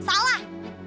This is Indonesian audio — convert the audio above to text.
gak ada apa tuh